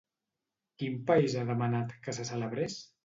Quin país ha demanat que se celebrés?